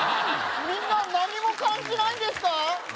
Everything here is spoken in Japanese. みんな何も感じないんですか？